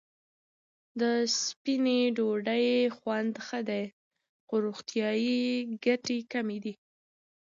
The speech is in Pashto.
د سپینې ډوډۍ خوند ښه دی، خو روغتیايي ګټې کمې دي.